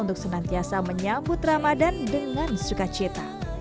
untuk senantiasa menyambut ramadan dengan suka cita